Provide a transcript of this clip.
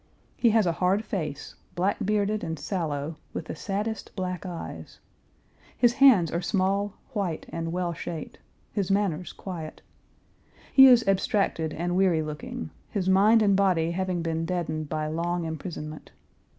He has a hard face, black bearded and sallow, with the saddest black eyes. His hands are small, white, and well shaped; his manners quiet. He is abstracted and weary looking, his mind and body having been deadened by long imprisonment.